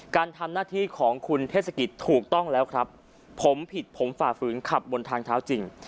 การทำหน้าที่ของคุณเทศกิจถูกต้องแล้วครับผมผิดผมฝ่าฝืนขับบนทางเท้าจริง